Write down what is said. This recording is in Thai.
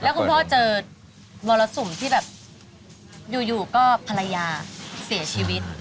คุณพ่อเจอมรสุมที่แบบอยู่ก็ภรรยาเสียชีวิต